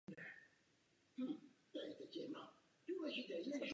Dle Collinse však vyšší vzdělání nemusí nutně znamenat vyšší pracovní výkonnost.